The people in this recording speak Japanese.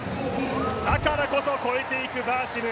だからこそ越えていくバーシム。